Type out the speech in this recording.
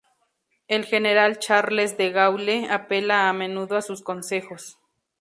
El general Charles De Gaulle apela a menudo a sus consejos.